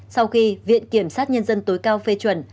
sau khi viện kiểm sát nhân dân tối cao phê chuẩn